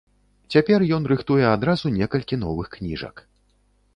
Цяпер ён рыхтуе адразу некалькі новых кніжак.